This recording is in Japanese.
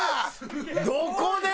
どこで？